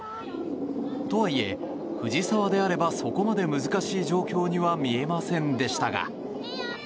とはいえ、藤澤であればそこまで難しい状況には見えませんでしたが。